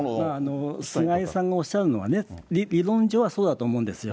だからこれ、清原さん、菅井さんがおっしゃるのはね、理論上はそうだと思うんですよ。